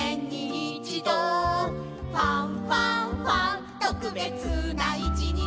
「ファンファンファン特別な一日」